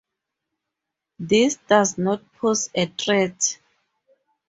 This does not pose a threat.